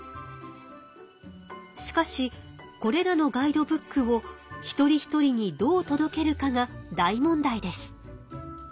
しかしこれらのガイドブックを一人一人にどうとどけるかが大問題です。